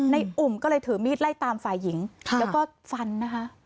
อุ่มก็เลยถือมีดไล่ตามฝ่ายหญิงแล้วก็ฟันนะคะ